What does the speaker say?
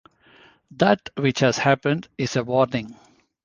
That which has happened is a warning.